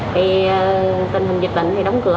thì tình hình dịch bệnh thì đóng cửa